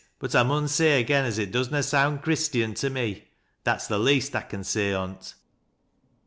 But I mun say again as it does na sound Christian to me. That's the least Ian say on't."